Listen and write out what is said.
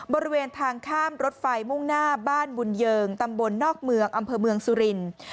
บริเวณทางข้ามรถไฟมุ่งหน้าบ้านบุญเยิงตำบลนอกเมืองอำเภอเมืองสุรินทร์